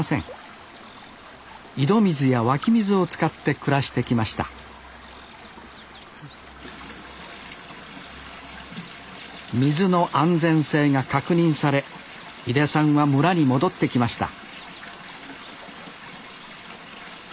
井戸水や湧き水を使って暮らしてきました水の安全性が確認され井出さんは村に戻ってきました